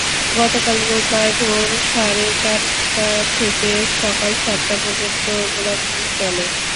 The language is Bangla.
গতকাল রোববার ভোর সাড়ে চারটা থেকে সকাল সাতটা পর্যন্ত গোলাগুলি চলে।